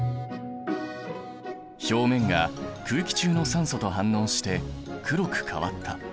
表面が空気中の酸素と反応して黒く変わった。